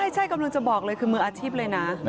ใช่กำลังจะบอกเลยคือมืออาชีพเลยนะ